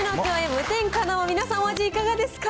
無添加の皆さん、お味、いかがですか。